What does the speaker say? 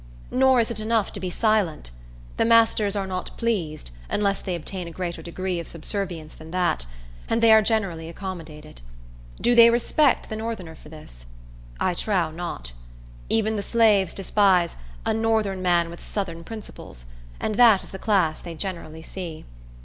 Nor is it enough to be silent. The masters are not pleased, unless they obtain a greater degree of subservience than that; and they are generally accommodated. Do they respect the northerner for this? I trow not. Even the slaves despise "a northern man with southern principles;" and that is the class they generally see.